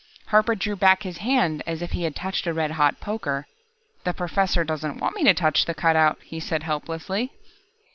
Harper drew back his hand as if he had touched a red hot poker. "The Professor doesn't want me to touch the cutout," he said helplessly.